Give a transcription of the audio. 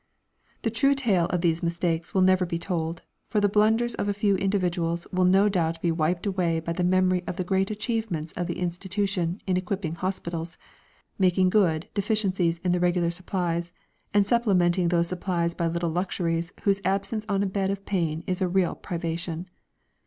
The true tale of these mistakes will never be told, for the blunders of a few individuals will no doubt be wiped away by the memory of the great achievements of the institution in equipping hospitals, making good deficiencies in the regular supplies, and supplementing those supplies by little luxuries whose absence on a bed of pain is a real privation.